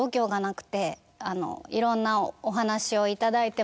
いろんなお話を頂いても。